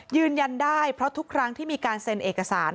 ยืนยันได้เพราะทุกครั้งที่มีการเซ็นเอกสาร